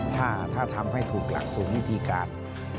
ถ้าทำให้ถูกหลักถูกวิธีการ